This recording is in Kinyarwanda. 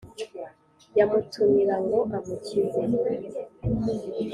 yamutumira ngo amukize,